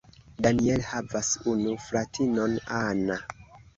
Daniel havas unu fratinon Anna.